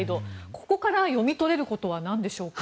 ここから読み取れることは何でしょうか。